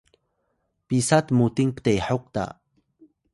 pisa tmuting ptehok ta?